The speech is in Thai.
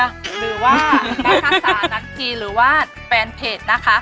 หรือว่าได้ทักษะนั้นทีหรือว่าแฟนเพจนะคะ